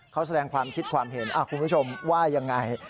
เขาแสดงความคิดความเห็นคุณผู้ชมว่ายังไง